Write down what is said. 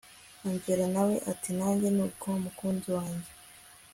angella nawe ati nanjye nuko mukunzi wanjye